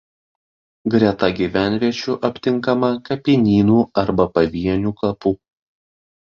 Greta gyvenviečių aptinkama kapinynų arba pavienių kapų.